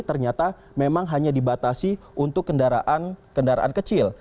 ternyata memang hanya dibatasi untuk kendaraan kendaraan kecil